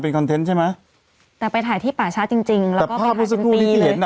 เป็นคอนเทนต์ใช่ไหมแต่ไปถ่ายที่ป่าชะจริงจริงแล้วก็ภาพไม่สักหนูที่เห็นน่ะ